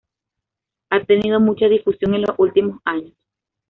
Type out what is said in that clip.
Ha tenido mucha difusión en los últimos años.